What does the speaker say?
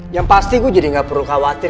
yang pasti gue jadi gak perlu khawatir